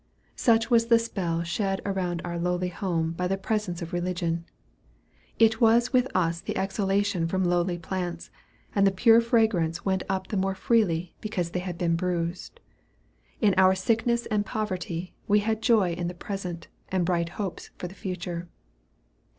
Such was the spell shed around our lowly home by the presence of religion. It was with us the exhalation from lowly plants, and the pure fragrance went up the more freely because they had been bruised. In our sickness and poverty we had joy in the present, and bright hopes for the future.